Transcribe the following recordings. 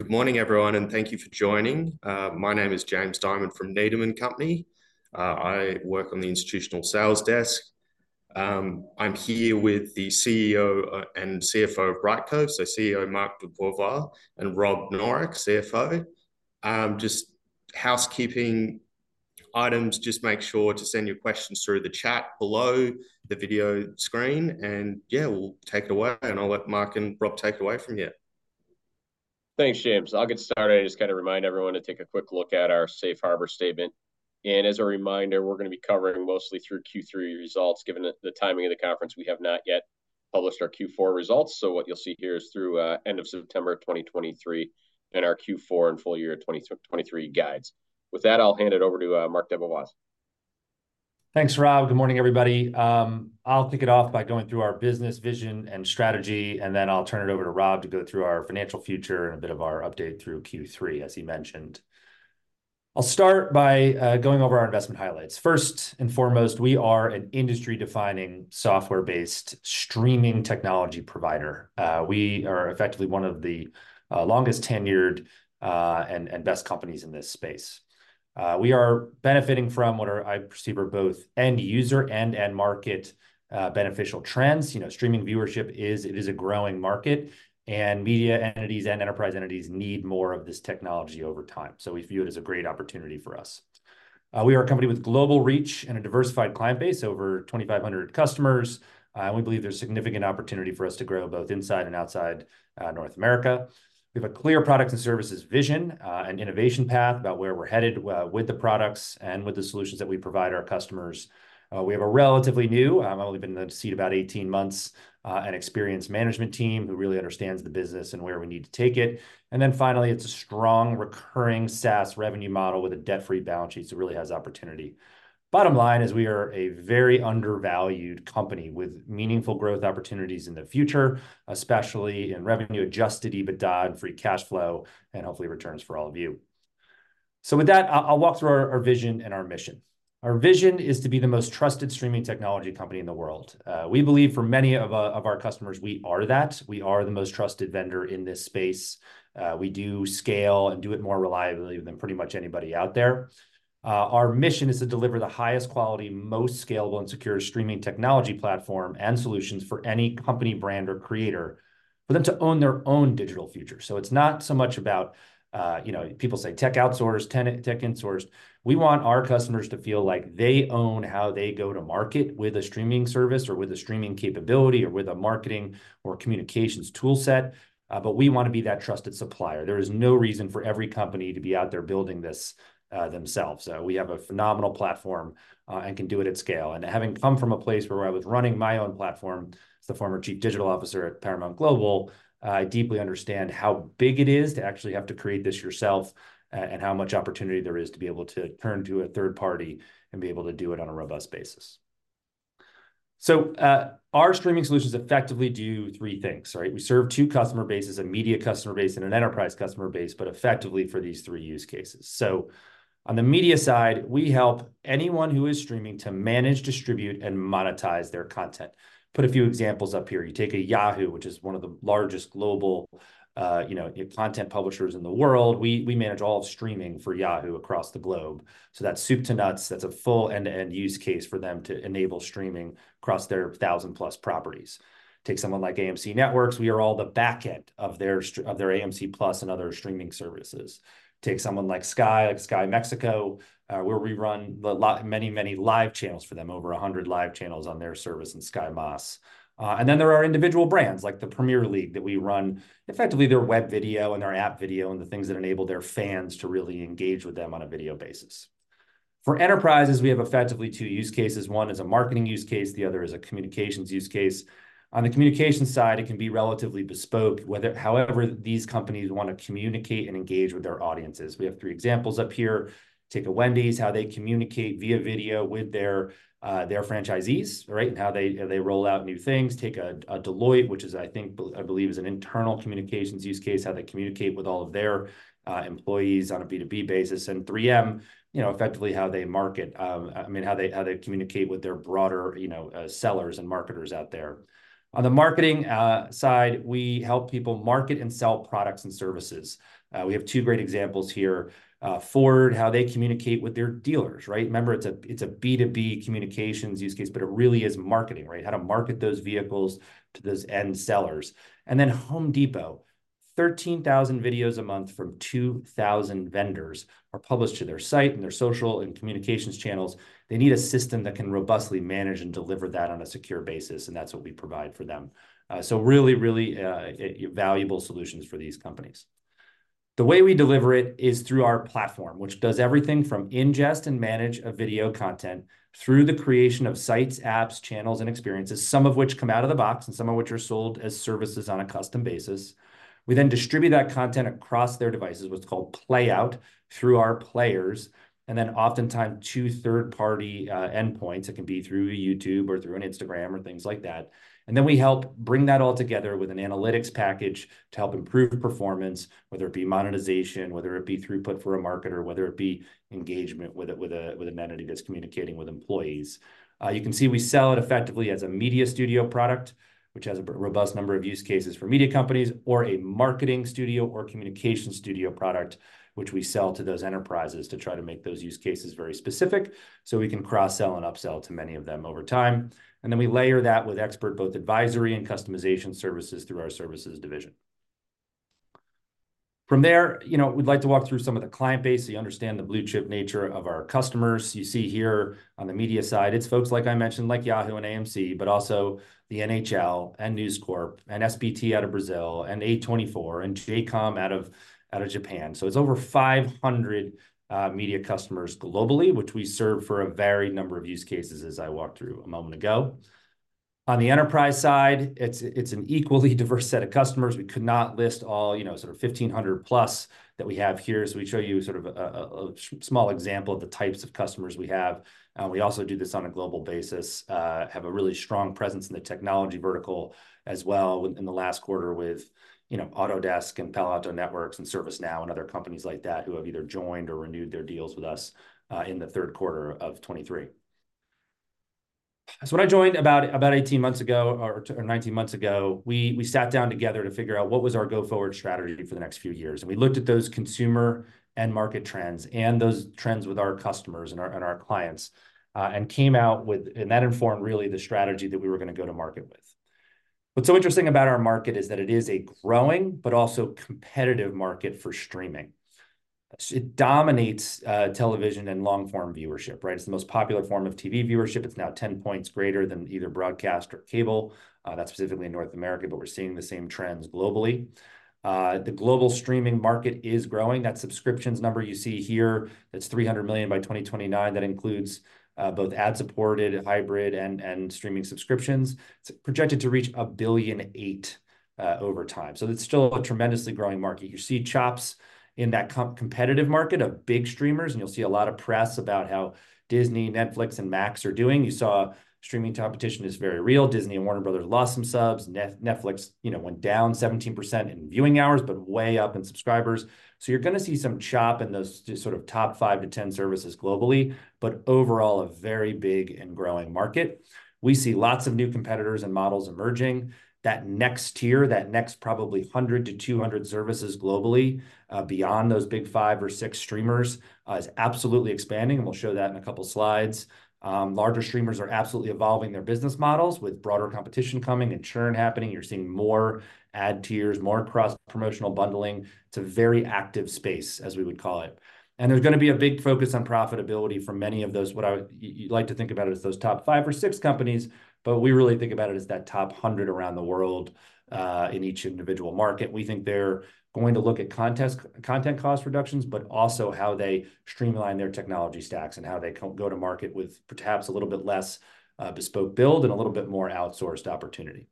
Good morning, everyone, and thank you for joining. My name is James Diamond from Needham & Company. I work on the institutional sales desk. I'm here with the CEO and CFO of Brightcove. So CEO, Marc DeBevoise, and Rob Noreck, CFO. Just housekeeping items, just make sure to send your questions through the chat below the video screen, and, yeah, we'll take away, and I'll let Marc and Rob take away from here. Thanks, James. I'll get started. I just gotta remind everyone to take a quick look at our safe harbor statement. As a reminder, we're gonna be covering mostly through Q3 results. Given the timing of the conference, we have not yet published our Q4 results, so what you'll see here is through end of September 2023 and our Q4 and full year 2023 guides. With that, I'll hand it over to Marc DeBevoise. Thanks, Rob. Good morning, everybody. I'll kick it off by going through our business vision and strategy, and then I'll turn it over to Rob to go through our financial future and a bit of our update through Q3, as he mentioned. I'll start by going over our investment highlights. First and foremost, we are an industry-defining, software-based streaming technology provider. We are effectively one of the longest-tenured and best companies in this space. We are benefiting from what I perceive are both end-user and end-market beneficial trends. You know, streaming viewership is... it is a growing market, and media entities and enterprise entities need more of this technology over time, so we view it as a great opportunity for us. We are a company with global reach and a diversified client base, over 2,500 customers, and we believe there's significant opportunity for us to grow both inside and outside North America. We have a clear products and services vision, and innovation path about where we're headed, with the products and with the solutions that we provide our customers. We have a relatively new, only been in the seat about 18 months, and experienced management team who really understands the business and where we need to take it. And then finally, it's a strong, recurring SaaS revenue model with a debt-free balance sheet, so it really has opportunity. Bottom line is we are a very undervalued company with meaningful growth opportunities in the future, especially in revenue-adjusted EBITDA and free cash flow, and hopefully returns for all of you. So with that, I'll walk through our vision and our mission. Our vision is to be the most trusted streaming technology company in the world. We believe for many of our customers, we are that. We are the most trusted vendor in this space. We do scale and do it more reliably than pretty much anybody out there. Our mission is to deliver the highest quality, most scalable and secure streaming technology platform and solutions for any company, brand or creator, for them to own their own digital future. So it's not so much about, you know, people say tech outsource, tech insource. We want our customers to feel like they own how they go to market with a streaming service or with a streaming capability or with a marketing or communications tool set, but we wanna be that trusted supplier. There is no reason for every company to be out there building this, themselves. We have a phenomenal platform, and can do it at scale. And having come from a place where I was running my own platform as the former Chief Digital Officer at Paramount Global, I deeply understand how big it is to actually have to create this yourself, and how much opportunity there is to be able to turn to a third party and be able to do it on a robust basis. So, our streaming solutions effectively do three things, right? We serve two customer bases, a media customer base and an enterprise customer base, but effectively for these three use cases. So on the media side, we help anyone who is streaming to manage, distribute, and monetize their content. Put a few examples up here. You take a Yahoo, which is one of the largest global, you know, content publishers in the world. We manage all of streaming for Yahoo across the globe. So that's soup to nuts. That's a full end-to-end use case for them to enable streaming across their 1,000-plus properties. Take someone like AMC Networks. We are all the back end of their streaming of their AMC+ and other streaming services. Take someone like Sky, like Sky Mexico, where we run many, many live channels for them, over 100 live channels on their service and Sky Mexico. And then there are individual brands like the Premier League, that we run, effectively their web video and their app video and the things that enable their fans to really engage with them on a video basis. For enterprises, we have effectively two use cases. One is a marketing use case, the other is a communications use case. On the communications side, it can be relatively bespoke, whether however these companies wanna communicate and engage with their audiences. We have three examples up here. Take a Wendy's, how they communicate via video with their their franchisees, right? And how they, they roll out new things. Take a Deloitte, which is, I think, I believe is an internal communications use case, how they communicate with all of their employees on a B2B basis. And 3M, you know, effectively how they market, I mean, how they, how they communicate with their broader, you know, sellers and marketers out there. On the marketing side, we help people market and sell products and services. We have two great examples here. Ford, how they communicate with their dealers, right? Remember, it's a B2B communications use case, but it really is marketing, right? How to market those vehicles to those end sellers. And then Home Depot, 13,000 videos a month from 2,000 vendors are published to their site and their social and communications channels. They need a system that can robustly manage and deliver that on a secure basis, and that's what we provide for them. So really, really valuable solutions for these companies. The way we deliver it is through our platform, which does everything from ingest and manage of video content through the creation of sites, apps, channels, and experiences, some of which come out of the box and some of which are sold as services on a custom basis. We then distribute that content across their devices, what's called Playout, through our players, and then oftentimes to third-party endpoints. It can be through YouTube or through an Instagram or things like that. And then we help bring that all together with an analytics package to help improve performance, whether it be monetization, whether it be throughput for a marketer, whether it be engagement with an entity that's communicating with employees. You can see we sell it effectively as a Media Studio product, which has a robust number of use cases for media companies, or a Marketing Studio or Communication Studio product, which we sell to those enterprises to try to make those use cases very specific, so we can cross-sell and upsell to many of them over time. And then we layer that with expert, both advisory and customization services through our services division. From there, you know, we'd like to walk through some of the client base, so you understand the blue-chip nature of our customers. You see here on the media side, it's folks like I mentioned, like Yahoo and AMC, but also the NHL, and News Corp, and SBT out of Brazil, and A24, and J:COM out of Japan. So it's over 500 media customers globally, which we serve for a varied number of use cases, as I walked through a moment ago. On the enterprise side, it's an equally diverse set of customers. We could not list all, you know, sort of 1,500 plus that we have here. So we show you sort of a small example of the types of customers we have. We also do this on a global basis, have a really strong presence in the technology vertical as well in, in the last quarter with, you know, Autodesk and Palo Alto Networks, and ServiceNow, and other companies like that, who have either joined or renewed their deals with us, in the third quarter of 2023. So when I joined about 18 months ago or 19 months ago, we sat down together to figure out what was our go-forward strategy for the next few years. We looked at those consumer end market trends and those trends with our customers and our clients, and came out with... That informed, really, the strategy that we were gonna go to market with. What's so interesting about our market is that it is a growing but also competitive market for streaming. It dominates, television and long-form viewership, right? It's the most popular form of TV viewership. It's now 10 points greater than either broadcast or cable. That's specifically in North America, but we're seeing the same trends globally. The global streaming market is growing. That subscriptions number you see here, that's 300 million by 2029. That includes, both ad-supported, hybrid, and, and streaming subscriptions. It's projected to reach 1.8 billion, over time. So it's still a tremendously growing market. You see chops in that competitive market of big streamers, and you'll see a lot of press about how Disney, Netflix, and Max are doing. You saw streaming competition is very real. Disney and Warner Brothers lost some subs. Netflix, you know, went down 17% in viewing hours, but way up in subscribers. So you're gonna see some chop in those just sort of top five to 10 services globally, but overall, a very big and growing market. We see lots of new competitors and models emerging. That next tier, that next probably 100 to 200 services globally, beyond those big five or six streamers, is absolutely expanding, and we'll show that in a couple of slides. Larger streamers are absolutely evolving their business models with broader competition coming and churn happening. You're seeing more ad tiers, more cross-promotional bundling. It's a very active space, as we would call it. And there's gonna be a big focus on profitability for many of those, what you like to think about it as those top five or six companies, but we really think about it as that top 100 around the world, in each individual market. We think they're going to look at content cost reductions, but also how they streamline their technology stacks, and how they go to market with perhaps a little bit less, bespoke build and a little bit more outsourced opportunity.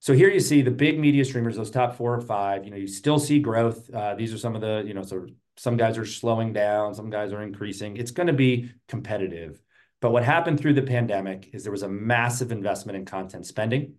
So here you see the big media streamers, those top four or five. You know, you still see growth. These are some of the, you know. So some guys are slowing down, some guys are increasing. It's gonna be competitive. But what happened through the pandemic is there was a massive investment in content spending.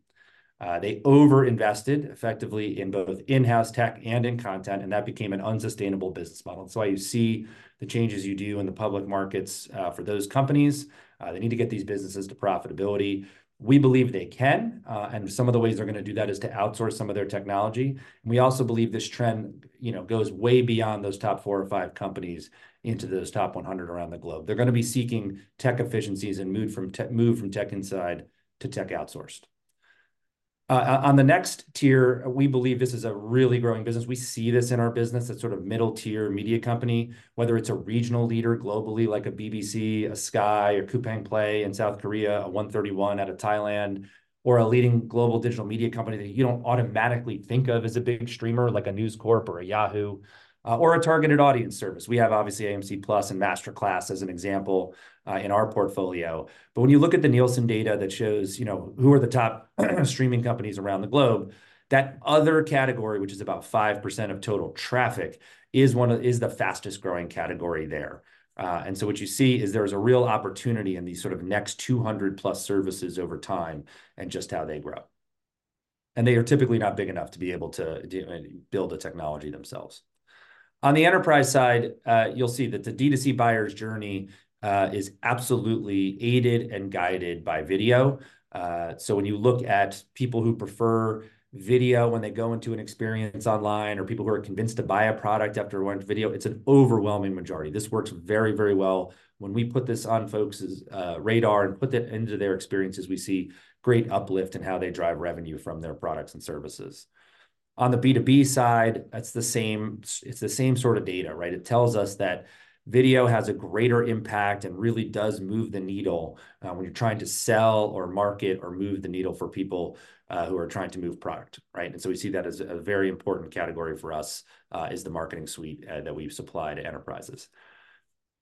They over-invested effectively in both in-house tech and in content, and that became an unsustainable business model. That's why you see the changes you do in the public markets, for those companies. They need to get these businesses to profitability. We believe they can, and some of the ways they're gonna do that is to outsource some of their technology. We also believe this trend, you know, goes way beyond those top four or five companies into those top 100 around the globe. They're gonna be seeking tech efficiencies and move from tech inside to tech outsourced. On the next tier, we believe this is a really growing business. We see this in our business, that sort of middle-tier media company, whether it's a regional leader globally, like a BBC, a Sky, a Coupang Play in South Korea, a One31 out of Thailand, or a leading global digital media company that you don't automatically think of as a big streamer, like a News Corp or a Yahoo, or a targeted audience service. We have, obviously, AMC+ and MasterClass as an example in our portfolio. But when you look at the Nielsen data that shows, you know, who are the top streaming companies around the globe, that other category, which is about 5% of total traffic, is the fastest-growing category there. And so what you see is there is a real opportunity in these sort of next 200+ services over time and just how they grow. And they are typically not big enough to be able to build the technology themselves. On the enterprise side, you'll see that the D2C buyer's journey is absolutely aided and guided by video. So when you look at people who prefer video when they go into an experience online, or people who are convinced to buy a product after watching video, it's an overwhelming majority. This works very, very well. When we put this on folks' radar and put that into their experiences, we see great uplift in how they drive revenue from their products and services. On the B2B side, that's the same, it's the same sort of data, right? It tells us that video has a greater impact and really does move the needle when you're trying to sell or market or move the needle for people who are trying to move product, right? And so we see that as a very important category for us, is the marketing suite that we supply to enterprises.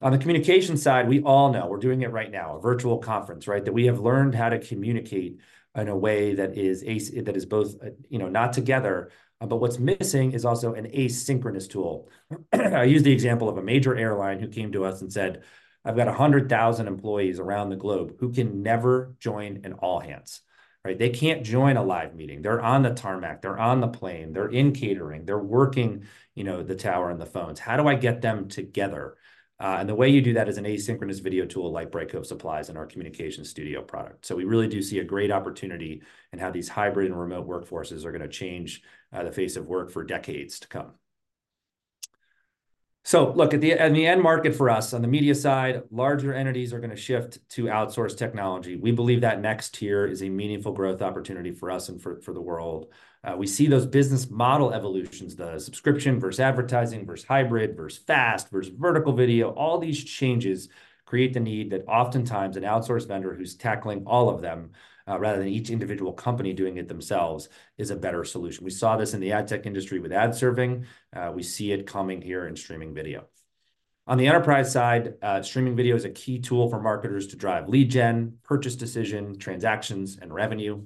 On the communication side, we all know. We're doing it right now, a virtual conference, right? That we have learned how to communicate in a way that is both, you know, not together, but what's missing is also an asynchronous tool. I'll use the example of a major airline who came to us and said: "I've got 100,000 employees around the globe who can never join an all-hands," right? "They can't join a live meeting. They're on the tarmac, they're on the plane, they're in catering, they're working, you know, the tower and the phones. How do I get them together?" And the way you do that is an asynchronous video tool like Brightcove supplies in our Communication Studio product. So we really do see a great opportunity in how these hybrid and remote workforces are gonna change the face of work for decades to come. So look, at the end market for us, on the media side, larger entities are gonna shift to outsource technology. We believe that next tier is a meaningful growth opportunity for us and for the world. We see those business model evolutions, the subscription versus advertising, versus hybrid, versus FAST, versus vertical video, all these changes create the need that oftentimes an outsource vendor who's tackling all of them, rather than each individual company doing it themselves, is a better solution. We saw this in the ad tech industry with ad serving. We see it coming here in streaming video. On the enterprise side, streaming video is a key tool for marketers to drive lead gen, purchase decision, transactions, and revenue.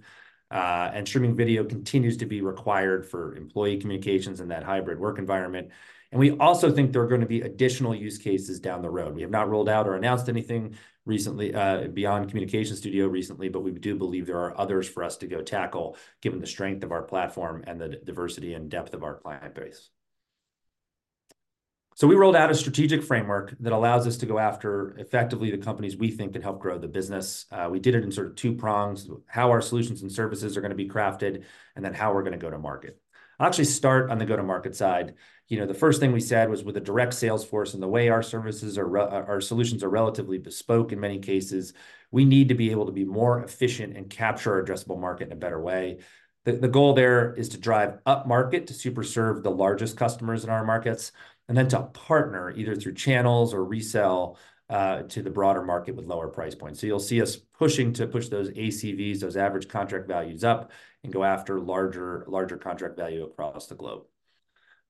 And streaming video continues to be required for employee communications in that hybrid work environment, and we also think there are gonna be additional use cases down the road. We have not rolled out or announced anything recently, beyond Communication Studio recently, but we do believe there are others for us to go tackle, given the strength of our platform and the diversity and depth of our client base. So we rolled out a strategic framework that allows us to go after, effectively, the companies we think can help grow the business. We did it in sort of two prongs: how our solutions and services are gonna be crafted, and then how we're gonna go to market. I'll actually start on the go-to-market side. You know, the first thing we said was with a direct sales force and the way our services are, our solutions are relatively bespoke in many cases, we need to be able to be more efficient and capture our addressable market in a better way. The goal there is to drive upmarket to super serve the largest customers in our markets, and then to partner, either through channels or resell, to the broader market with lower price points. So you'll see us pushing to push those ACVs, those average contract values, up and go after larger, larger contract value across the globe.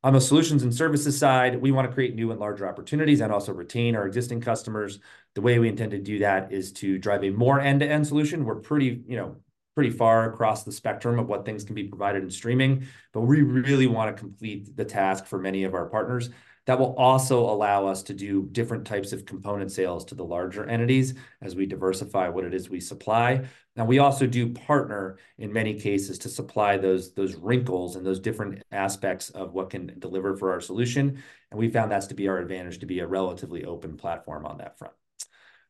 On the solutions and services side, we wanna create new and larger opportunities and also retain our existing customers. The way we intend to do that is to drive a more end-to-end solution. We're pretty, you know, pretty far across the spectrum of what things can be provided in streaming, but we really wanna complete the task for many of our partners. That will also allow us to do different types of component sales to the larger entities as we diversify what it is we supply. Now, we also do partner, in many cases, to supply those, those wrinkles and those different aspects of what can deliver for our solution, and we found that's to be our advantage, to be a relatively open platform on that front.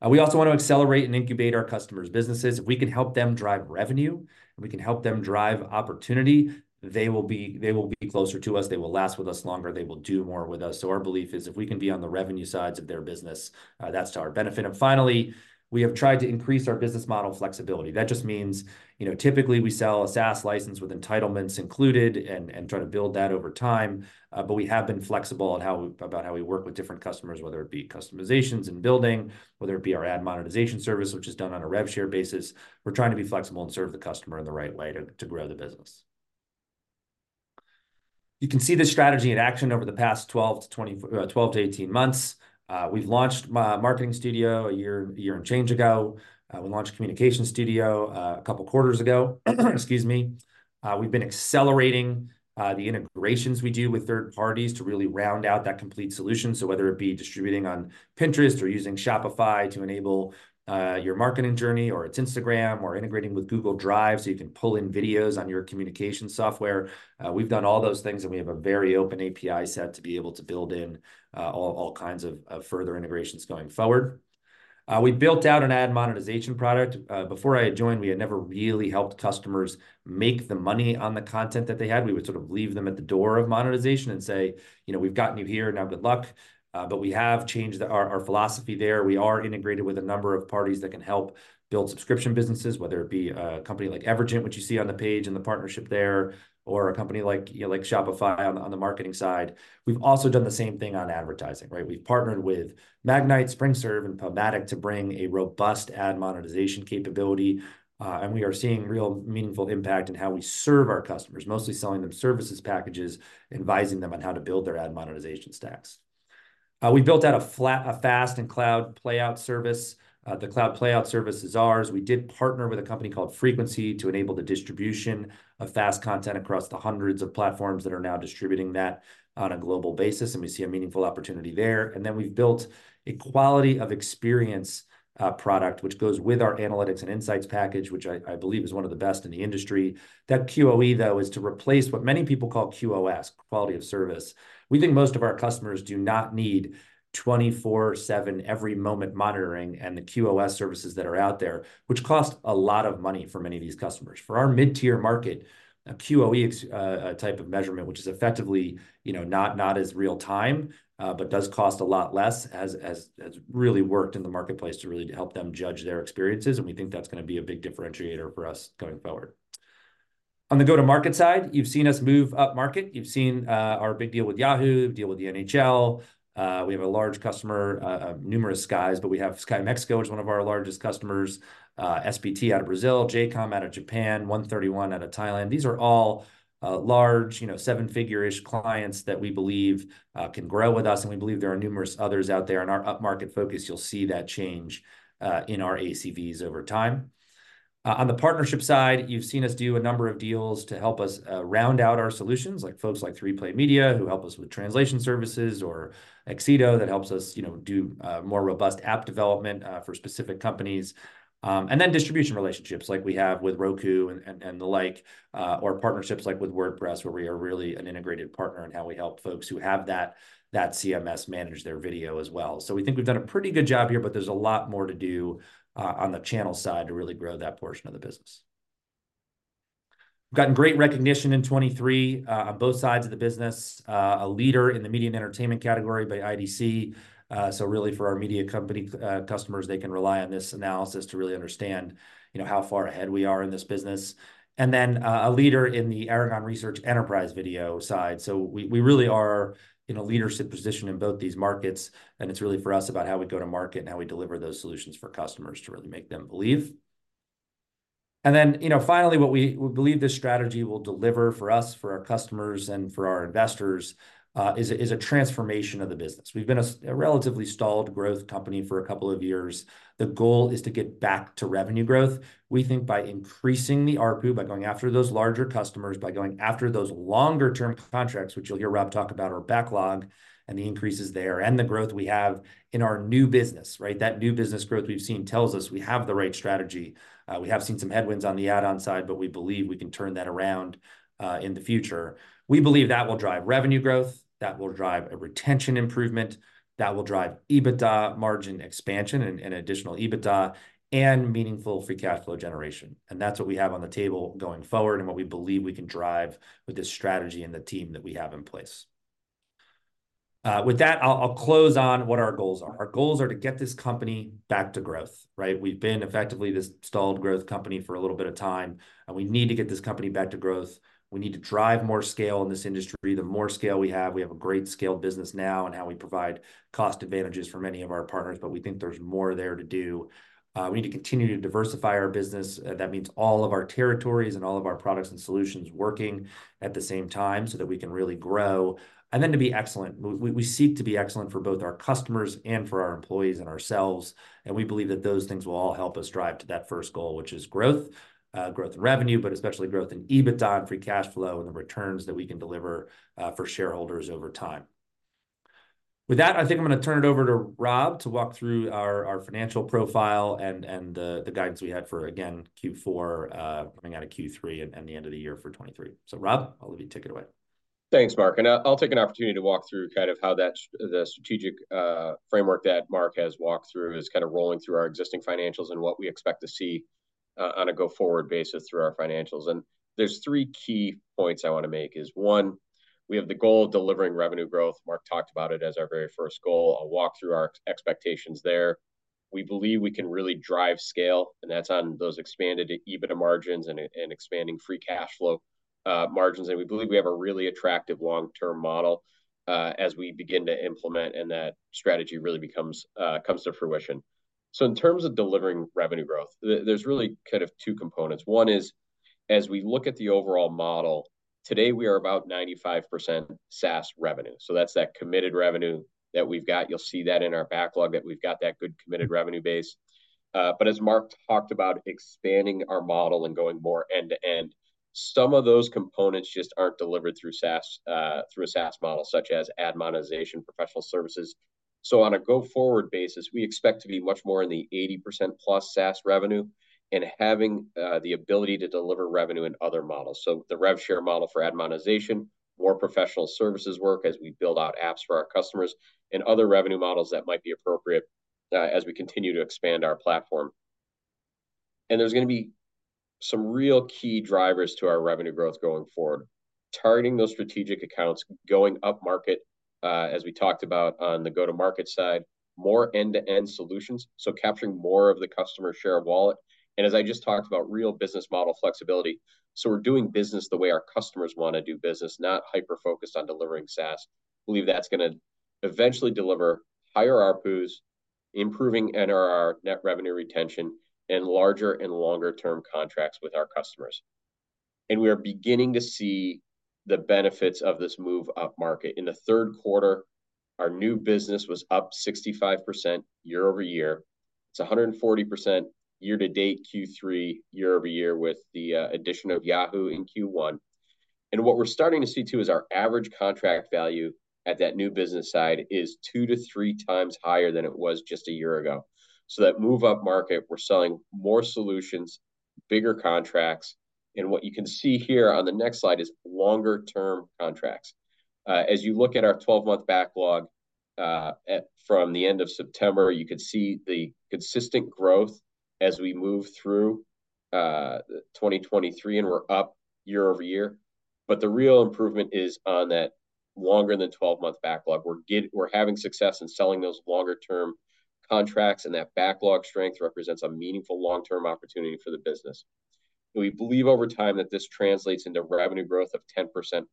We also want to accelerate and incubate our customers' businesses. If we can help them drive revenue, and we can help them drive opportunity, they will be, they will be closer to us. They will last with us longer. They will do more with us. So our belief is, if we can be on the revenue sides of their business, that's to our benefit. And finally, we have tried to increase our business model flexibility. That just means, you know, typically, we sell a SaaS license with entitlements included and, and try to build that over time, but we have been flexible in how we work with different customers, whether it be customizations and building, whether it be our ad monetization service, which is done on a rev share basis. We're trying to be flexible and serve the customer in the right way to, to grow the business. You can see this strategy in action over the past 12-18 months. We've launched Marketing Studio a year, a year and change ago. We launched Communication Studio a couple of quarters ago. Excuse me. We've been accelerating the integrations we do with third parties to really round out that complete solution. So whether it be distributing on Pinterest, or using Shopify to enable your marketing journey, or it's Instagram, or integrating with Google Drive so you can pull in videos on your communication software, we've done all those things, and we have a very open API set to be able to build in all kinds of further integrations going forward. We built out an ad monetization product. Before I had joined, we had never really helped customers make the money on the content that they had. We would sort of leave them at the door of monetization and say, "You know, we've gotten you here, now good luck." But we have changed our philosophy there. We are integrated with a number of parties that can help build subscription businesses, whether it be a company like Evergent, which you see on the page and the partnership there, or a company like Shopify on the marketing side. We've also done the same thing on advertising, right? We've partnered with Magnite, SpringServe, and PubMatic to bring a robust ad monetization capability, and we are seeing real meaningful impact in how we serve our customers, mostly selling them services packages, advising them on how to build their ad monetization stacks. We built out a fast and cloud Playout service. The Cloud Playout service is ours. We did partner with a company called Frequency to enable the distribution of fast content across the hundreds of platforms that are now distributing that on a global basis, and we see a meaningful opportunity there And then we've built a quality of experience product, which goes with our analytics and insights package, which I, I believe is one of the best in the industry. That QoE, though, is to replace what many people call QoS, quality of service. We think most of our customers do not need 24/7, every moment monitoring and the QoS services that are out there, which cost a lot of money for many of these customers. For our mid-tier market, a QoE type of measurement, which is effectively, you know, not as real time, but does cost a lot less, has really worked in the marketplace to really help them judge their experiences, and we think that's gonna be a big differentiator for us going forward. On the go-to-market side, you've seen us move upmarket. You've seen, our big deal with Yahoo!, the deal with the NHL. We have a large customer, numerous Skys, but we have Sky Mexico as one of our largest customers, SBT out of Brazil, J:COM out of Japan, One31 out of Thailand. These are all, large, you know, seven-figure-ish clients that we believe, can grow with us, and we believe there are numerous others out there. In our upmarket focus, you'll see that change, in our ACVs over time. On the partnership side, you've seen us do a number of deals to help us, round out our solutions, like folks like 3Play Media, who help us with translation services, or Accedo, that helps us, you know, do, more robust app development, for specific companies. And then distribution relationships, like we have with Roku and the like, or partnerships like with WordPress, where we are really an integrated partner in how we help folks who have that, that CMS manage their video as well. So we think we've done a pretty good job here, but there's a lot more to do on the channel side to really grow that portion of the business. We've gotten great recognition in 2023 on both sides of the business. A leader in the media and entertainment category by IDC. So really, for our media company customers, they can rely on this analysis to really understand, you know, how far ahead we are in this business. And then, a leader in the Aragon Research Enterprise Video side. So we really are in a leadership position in both these markets, and it's really for us about how we go to market and how we deliver those solutions for customers to really make them believe. And then, you know, finally, what we believe this strategy will deliver for us, for our customers, and for our investors, is a transformation of the business. We've been a relatively stalled growth company for a couple of years. The goal is to get back to revenue growth, we think by increasing the ARPU, by going after those larger customers, by going after those longer-term contracts, which you'll hear Rob talk about, our backlog and the increases there, and the growth we have in our new business, right? That new business growth we've seen tells us we have the right strategy. We have seen some headwinds on the add-on side, but we believe we can turn that around in the future. We believe that will drive revenue growth, that will drive a retention improvement, that will drive EBITDA margin expansion and, and additional EBITDA, and meaningful free cash flow generation, and that's what we have on the table going forward, and what we believe we can drive with this strategy and the team that we have in place. With that, I'll, I'll close on what our goals are. Our goals are to get this company back to growth, right? We've been effectively this stalled growth company for a little bit of time, and we need to get this company back to growth. We need to drive more scale in this industry. The more scale we have, we have a great scale business now in how we provide cost advantages for many of our partners, but we think there's more there to do. We need to continue to diversify our business. That means all of our territories and all of our products and solutions working at the same time so that we can really grow. And then, to be excellent. We seek to be excellent for both our customers and for our employees and ourselves, and we believe that those things will all help us drive to that first goal, which is growth. Growth in revenue, but especially growth in EBITDA and free cash flow, and the returns that we can deliver for shareholders over time. With that, I think I'm gonna turn it over to Rob to walk through our financial profile and the guidance we had for, again, Q4, coming out of Q3, and the end of the year for 2023. So, Rob, I'll let you take it away. Thanks, Marc, and I'll take an opportunity to walk through kind of how that the strategic framework that Marc has walked through is kind of rolling through our existing financials and what we expect to see on a go-forward basis through our financials. And there's three key points I wanna make: one, we have the goal of delivering revenue growth. Marc talked about it as our very first goal. I'll walk through our expectations there. We believe we can really drive scale, and that's on those expanded EBITDA margins and expanding free cash flow margins. And we believe we have a really attractive long-term model as we begin to implement, and that strategy really comes to fruition. So in terms of delivering revenue growth, there's really kind of two components. One is, as we look at the overall model, today, we are about 95% SaaS revenue, so that's that committed revenue that we've got. You'll see that in our backlog, that we've got that good committed revenue base. But as Marc talked about expanding our model and going more end-to-end, some of those components just aren't delivered through SaaS, through a SaaS model, such as ad monetization, professional services. So on a go-forward basis, we expect to be much more in the 80%+ SaaS revenue and having the ability to deliver revenue in other models. So the rev share model for ad monetization, more professional services work as we build out apps for our customers, and other revenue models that might be appropriate, as we continue to expand our platform. There's gonna be some real key drivers to our revenue growth going forward. Targeting those strategic accounts, going upmarket, as we talked about on the go-to-market side, more end-to-end solutions, so capturing more of the customer share of wallet. As I just talked about, real business model flexibility, so we're doing business the way our customers wanna do business, not hyper-focused on delivering SaaS. Believe that's gonna eventually deliver higher ARPUs, improving NRR, net revenue retention, and larger and longer-term contracts with our customers. We are beginning to see the benefits of this move upmarket. In the third quarter, our new business was up 65% year-over-year. It's 140% year-to-date, Q3, year-over-year, with the addition of Yahoo in Q1. What we're starting to see, too, is our average contract value at that new business side is 2-3 times higher than it was just a year ago. So that move upmarket, we're selling more solutions, bigger contracts, and what you can see here on the next slide is longer-term contracts. As you look at our 12-month backlog, from the end of September, you could see the consistent growth as we move through 2023, and we're up year-over-year. But the real improvement is on that longer than 12-month backlog. We're having success in selling those longer-term contracts, and that backlog strength represents a meaningful long-term opportunity for the business. We believe over time that this translates into revenue growth of 10%+.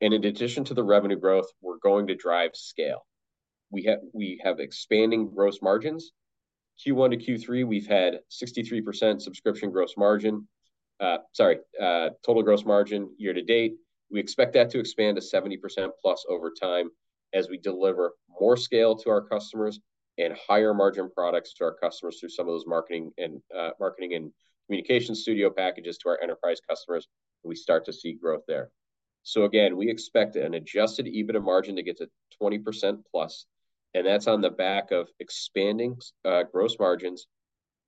And in addition to the revenue growth, we're going to drive scale. We have, we have expanding gross margins. Q1 to Q3, we've had 63% subscription gross margin... total gross margin year to date. We expect that to expand to 70%+ over time as we deliver more scale to our customers and higher-margin products to our customers through some of those marketing and, marketing and communication studio packages to our enterprise customers, we start to see growth there. So again, we expect an adjusted EBITDA margin to get to 20%+, and that's on the back of expanding gross margins,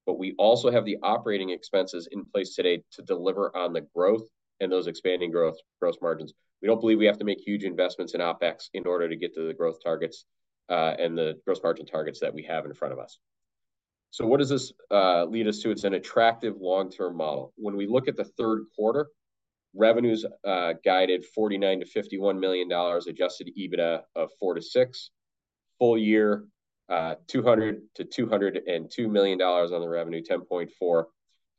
but we also have the operating expenses in place today to deliver on the growth and those expanding gross margins. We don't believe we have to make huge investments in OpEx in order to get to the growth targets. and the gross margin targets that we have in front of us. So what does this lead us to? It's an attractive long-term model. When we look at the third quarter revenues guided $49 million-$51 million, adjusted EBITDA of $4 million-$6 million. Full year $200 million-$202 million on the revenue, $10.4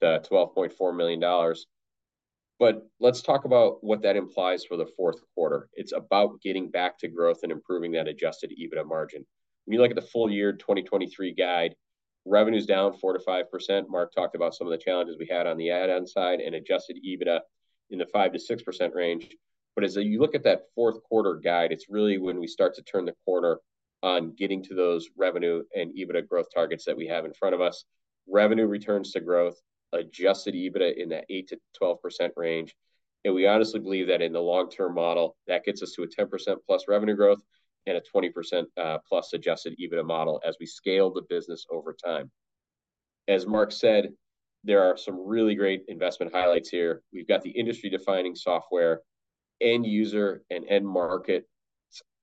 million-$12.4 million. But let's talk about what that implies for the fourth quarter. It's about getting back to growth and improving that adjusted EBITDA margin. When you look at the full year 2023 guide, revenue's down 4%-5%. Marc talked about some of the challenges we had on the add-on side and adjusted EBITDA in the 5%-6% range. But as you look at that fourth quarter guide, it's really when we start to turn the corner on getting to those revenue and EBITDA growth targets that we have in front of us. Revenue returns to growth, adjusted EBITDA in that 8%-12% range, and we honestly believe that in the long-term model, that gets us to a 10%+ revenue growth and a 20%+ adjusted EBITDA model as we scale the business over time. As Marc said, there are some really great investment highlights here. We've got the industry-defining software, end user and end market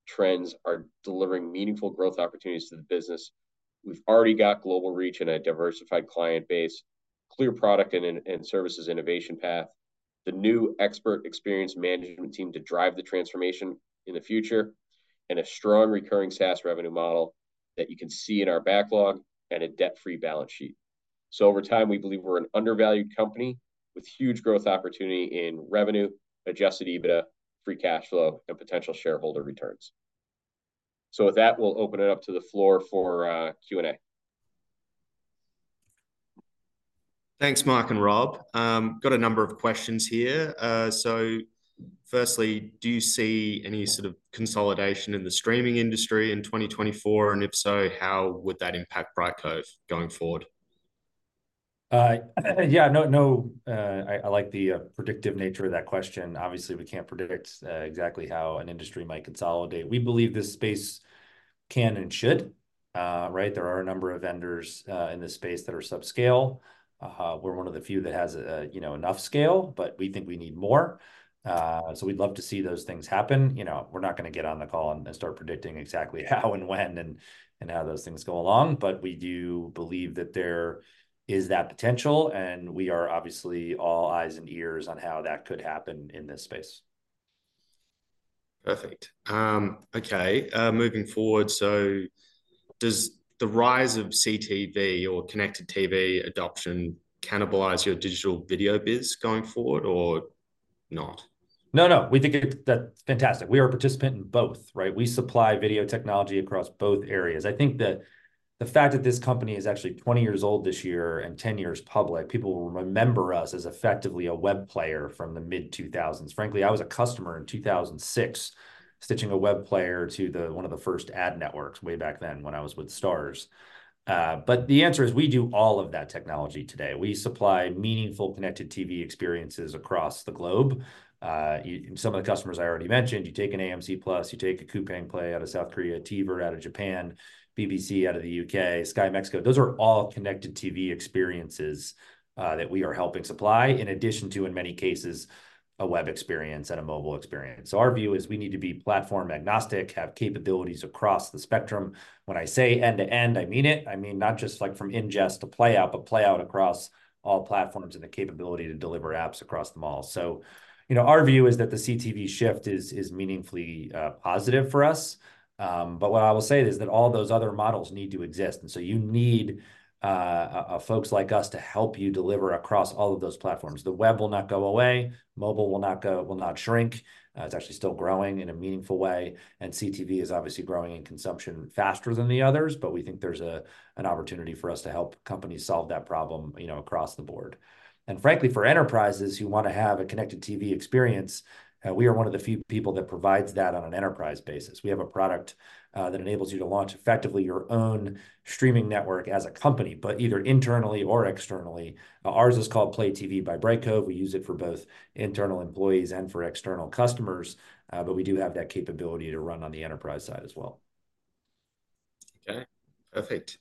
trends are delivering meaningful growth opportunities to the business. We've already got global reach and a diversified client base, clear product and services innovation path, the new expert experience management team to drive the transformation in the future, and a strong recurring SaaS revenue model that you can see in our backlog and a debt-free balance sheet. So over time, we believe we're an undervalued company with huge growth opportunity in revenue, adjusted EBITDA, free cash flow, and potential shareholder returns. So with that, we'll open it up to the floor for Q&A. Thanks, Marc and Rob. Got a number of questions here. Firstly, do you see any sort of consolidation in the streaming industry in 2024? And if so, how would that impact Brightcove going forward? Yeah, no, no, I like the predictive nature of that question. Obviously, we can't predict exactly how an industry might consolidate. We believe this space can and should, right? There are a number of vendors in this space that are subscale. We're one of the few that has, you know, enough scale, but we think we need more. So we'd love to see those things happen, you know, we're not gonna get on the call and then start predicting exactly how and when, and how those things go along. But we do believe that there is that potential, and we are obviously all eyes and ears on how that could happen in this space. Perfect. Okay, moving forward, so does the rise of CTV or connected TV adoption cannibalize your digital video biz going forward or not? No, no, we think that's fantastic. We are a participant in both, right? We supply video technology across both areas. I think that the fact that this company is actually 20 years old this year and 10 years public, people will remember us as effectively a web player from the mid-2000s. Frankly, I was a customer in 2006, stitching a web player to one of the first ad networks, way back then, when I was with Starz. But the answer is, we do all of that technology today. We supply meaningful connected TV experiences across the globe. Some of the customers I already mentioned, you take an AMC+, you take a Coupang Play out of South Korea, TVer out of Japan, BBC out of the U.K., Sky Mexico. Those are all connected TV experiences that we are helping supply, in addition to, in many cases, a web experience and a mobile experience. So our view is we need to be platform agnostic, have capabilities across the spectrum. When I say end-to-end, I mean it. I mean, not just like from ingest to playout, but playout across all platforms and the capability to deliver apps across them all. So, you know, our view is that the CTV shift is meaningfully positive for us. But what I will say is that all those other models need to exist, and so you need folks like us to help you deliver across all of those platforms. The web will not go away. Mobile will not go... Will not shrink. It's actually still growing in a meaningful way, and CTV is obviously growing in consumption faster than the others, but we think there's an opportunity for us to help companies solve that problem, you know, across the board. Frankly, for enterprises who want to have a connected TV experience, we are one of the few people that provides that on an enterprise basis. We have a product that enables you to launch effectively your own streaming network as a company, but either internally or externally. Ours is called PlayTV by Brightcove. We use it for both internal employees and for external customers, but we do have that capability to run on the enterprise side as well. Okay, perfect.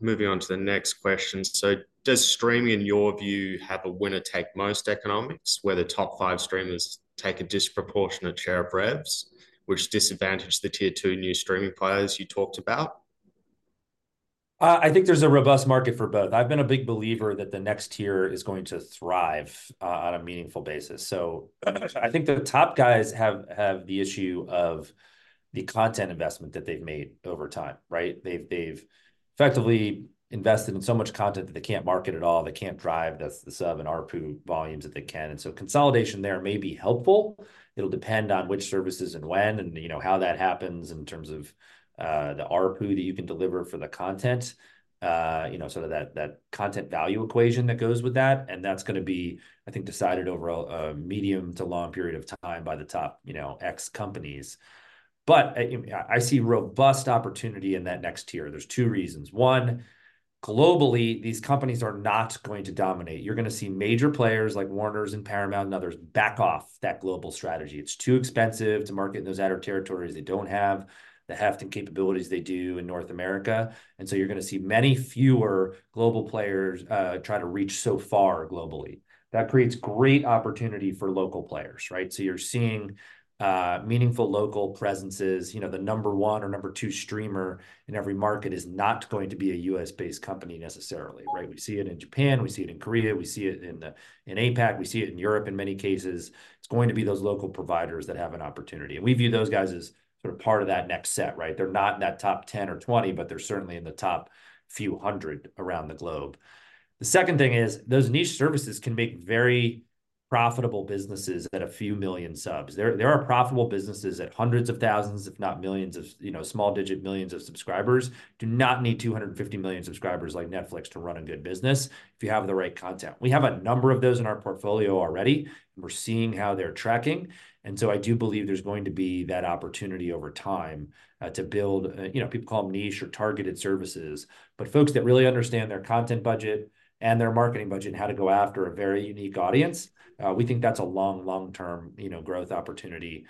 Moving on to the next question. So does streaming, in your view, have a winner-take-most economics, where the top five streamers take a disproportionate share of revs, which disadvantage the tier two new streaming players you talked about? I think there's a robust market for both. I've been a big believer that the next tier is going to thrive on a meaningful basis. So I think the top guys have, have the issue of the content investment that they've made over time, right? They've, they've effectively invested in so much content that they can't market at all, they can't drive thus, the sub and ARPU volumes that they can, and so consolidation there may be helpful. It'll depend on which services and when, and you know, how that happens in terms of the ARPU that you can deliver for the content. You know, so that, that content value equation that goes with that, and that's gonna be, I think, decided over a medium to long period of time by the top, you know, X companies. But I see robust opportunity in that next tier. There are two reasons. One, globally, these companies are not going to dominate. You are going to see major players like Warner’s and Paramount, and others back off that global strategy. It is too expensive to market in those outer territories. They do not have the heft and capabilities they do in North America, and so you are going to see many fewer global players try to reach so far globally. That creates great opportunity for local players, right? So you are seeing meaningful local presences. You know, the number one or number two streamer in every market is not going to be a U.S.-based company necessarily, right? We see it in Japan, we see it in Korea, in APAC, we see it in Europe. In many cases, it's going to be those local providers that have an opportunity, and we view those guys as sort of part of that next set, right? They're not in that top 10 or 20, but they're certainly in the top few hundred around the globe. The second thing is those niche services can make very profitable businesses at a few million subs. There are profitable businesses at hundreds of thousands, if not millions of, you know, small digit millions of subscribers. Do not need 250 million subscribers like Netflix to run a good business if you have the right content. We have a number of those in our portfolio already, and we're seeing how they're tracking, and so I do believe there's going to be that opportunity over time to build, you know, people call them niche or targeted services. But folks that really understand their content budget and their marketing budget, and how to go after a very unique audience, we think that's a long, long-term, you know, growth opportunity,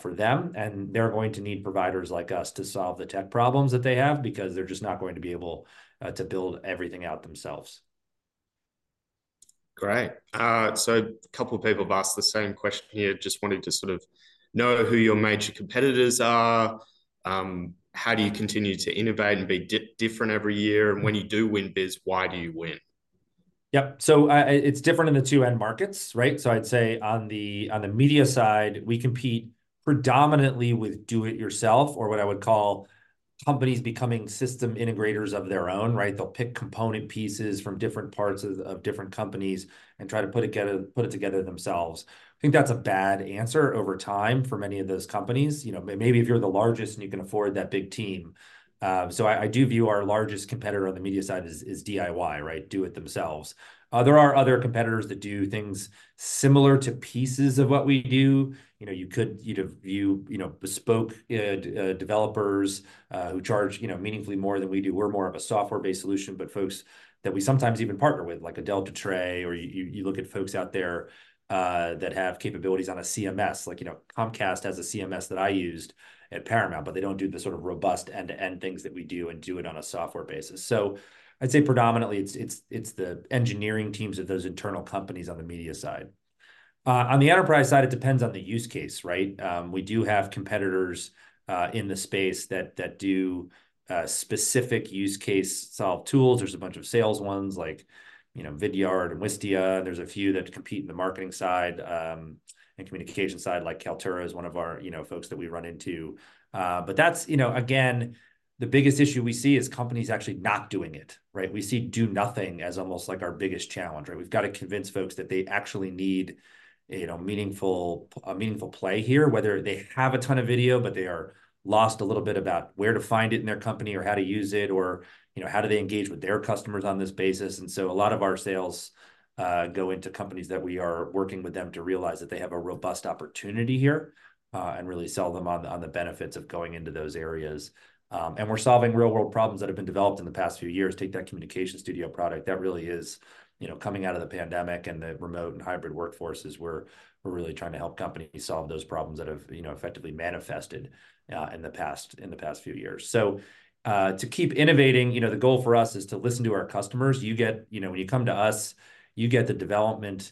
for them, and they're going to need providers like us to solve the tech problems that they have because they're just not going to be able, to build everything out themselves. Great. So a couple of people have asked the same question here. Just wanted to sort of know who your major competitors are. How do you continue to innovate and be different every year? And when you do win biz, why do you win? Yep. So, it's different in the two end markets, right? So I'd say on the, on the media side, we compete predominantly with do-it-yourself or what I would call companies becoming system integrators of their own, right? They'll pick component pieces from different parts of, of different companies and try to put it together, put it together themselves. I think that's a bad answer over time for many of those companies. You know, maybe if you're the largest and you can afford that big team. So I do view our largest competitor on the media side as, is DIY, right? Do it themselves. There are other competitors that do things similar to pieces of what we do. You know, you could, you'd view, you know, bespoke developers, who charge, you know, meaningfully more than we do. We're more of a software-based solution, but folks that we sometimes even partner with, like a Deloitte, or you, you look at folks out there, that have capabilities on a CMS. Like, you know, Comcast has a CMS that I used at Paramount, but they don't do the sort of robust end-to-end things that we do and do it on a software basis. So I'd say predominantly, it's the engineering teams of those internal companies on the media side. On the enterprise side, it depends on the use case, right? We do have competitors in the space that do specific use case solve tools. There's a bunch of sales ones like, you know, Vidyard and Wistia. There's a few that compete in the marketing side, and communication side, like Kaltura is one of our, you know, folks that we run into. But that's... You know, again, the biggest issue we see is companies actually not doing it, right? We've got to convince folks that they actually need, you know, meaningful, a meaningful play here, whether they have a ton of video, but they are lost a little bit about where to find it in their company or how to use it, or, you know, how do they engage with their customers on this basis. And so a lot of our sales go into companies that we are working with them to realize that they have a robust opportunity here, and really sell them on the, on the benefits of going into those areas. And we're solving real-world problems that have been developed in the past few years. Take that Communication Studio product that really is, you know, coming out of the pandemic and the remote and hybrid workforces. We're really trying to help companies solve those problems that have, you know, effectively manifested in the past few years. So to keep innovating, you know, the goal for us is to listen to our customers. You get, you know, when you come to us, you get the development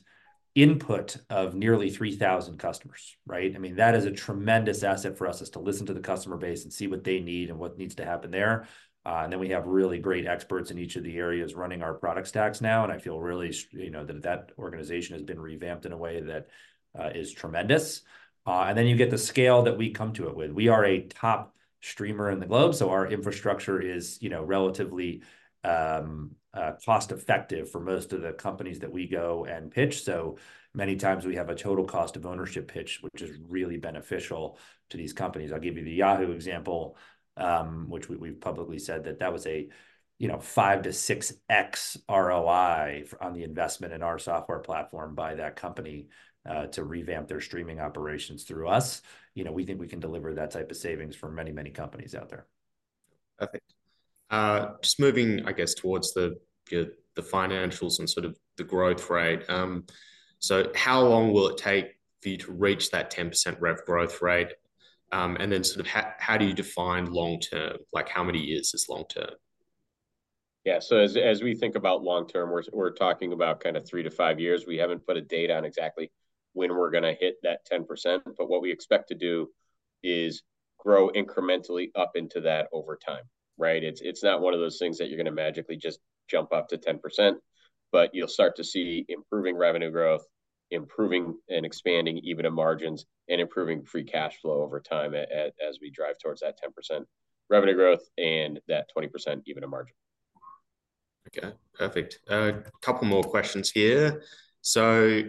input of nearly 3,000 customers, right? I mean, that is a tremendous asset for us, is to listen to the customer base and see what they need and what needs to happen there. And then we have really great experts in each of the areas running our product stacks now, and I feel really, you know, that that organization has been revamped in a way that is tremendous. And then you get the scale that we come to it with. We are a top streamer in the globe, so our infrastructure is, you know, relatively cost-effective for most of the companies that we go and pitch. So many times we have a total cost of ownership pitch, which is really beneficial to these companies. I'll give you the Yahoo example, which we've publicly said that that was a, you know, 5-6x ROI on the investment in our software platform by that company, to revamp their streaming operations through us. You know, we think we can deliver that type of savings for many, many companies out there. Perfect. Just moving, I guess, towards the financials and sort of the growth rate. So how long will it take for you to reach that 10% rev growth rate? And then sort of how do you define long term? Like, how many years is long term? Yeah. So as we think about long-term, we're talking about kind of three to five years. We haven't put a date on exactly when we're gonna hit that 10%, but what we expect to do is grow incrementally up into that over time, right? It's not one of those things that you're gonna magically just jump up to 10%, but you'll start to see improving revenue growth, improving and expanding EBITDA margins, and improving free cash flow over time, as we drive towards that 10% revenue growth and that 20% EBITDA margin. Okay, perfect. A couple more questions here. So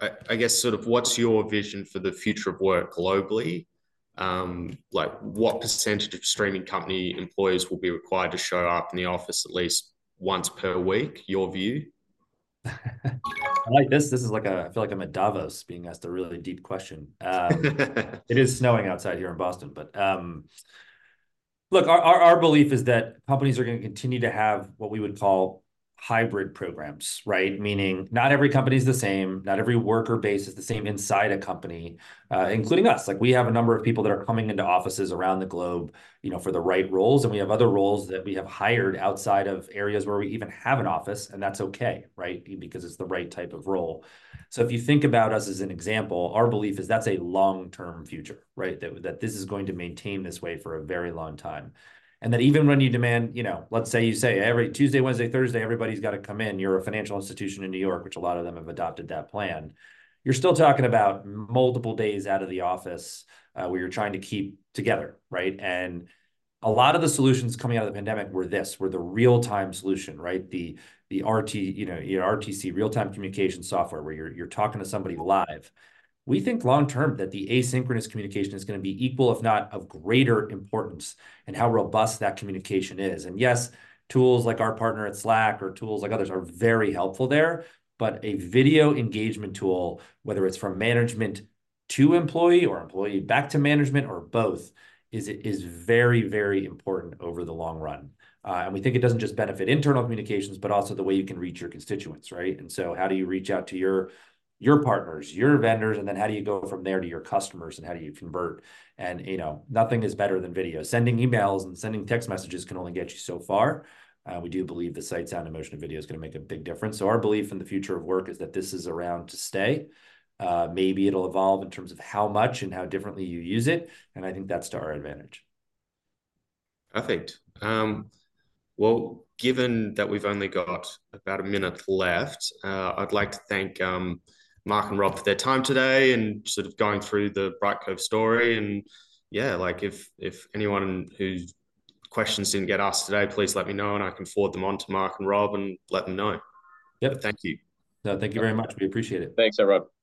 I guess sort of what's your vision for the future of work globally? Like, what percentage of streaming company employees will be required to show up in the office at least once per week? Your view. I like this. This is like I feel like I'm at Davos being asked a really deep question. It is snowing outside here in Boston, but, look, our belief is that companies are gonna continue to have what we would call hybrid programs, right? Meaning not every company is the same, not every worker base is the same inside a company, including us. Like, we have a number of people that are coming into offices around the globe, you know, for the right roles, and we have other roles that we have hired outside of areas where we even have an office, and that's okay, right? Because it's the right type of role. So if you think about us as an example, our belief is that's a long-term future, right? That this is going to maintain this way for a very long time. And that even when you demand... You know, let's say, you say, "Every Tuesday, Wednesday, Thursday, everybody's got to come in," you're a financial institution in New York, which a lot of them have adopted that plan. You're still talking about multiple days out of the office, where you're trying to keep together, right? And a lot of the solutions coming out of the pandemic were this, were the real-time solution, right? The RT, you know, RTC, real-time communication software, where you're talking to somebody live. We think long term, that the asynchronous communication is gonna be equal, if not of greater importance, in how robust that communication is. Yes, tools like our partner at Slack or tools like others are very helpful there, but a video engagement tool, whether it's from management to employee or employee back to management or both, is very, very important over the long run. And we think it doesn't just benefit internal communications, but also the way you can reach your constituents, right? And so how do you reach out to your partners, your vendors, and then how do you go from there to your customers, and how do you convert? And, you know, nothing is better than video. Sending emails and sending text messages can only get you so far. We do believe the sight, sound, and motion of video is gonna make a big difference. So our belief in the future of work is that this is around to stay. Maybe it'll evolve in terms of how much and how differently you use it, and I think that's to our advantage. Perfect. Well, given that we've only got about a minute left, I'd like to thank Marc and Robert for their time today and sort of going through the Brightcove story. And yeah, like, if anyone whose questions didn't get asked today, please let me know, and I can forward them on to Marc and Robert and let them know. Yep. Thank you. No, thank you very much. We appreciate it. Thanks, everyone.